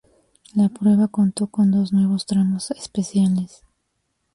La prueba contó con dos nuevos tramos especiales.